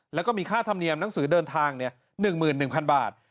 และมีค่าธรรมเนียมหนังสือเดินทาง๑หมื่น๑พันบาท